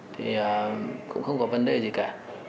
thì cũng không có vấn đề gì cả